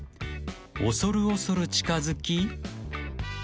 ［恐る恐る近づき］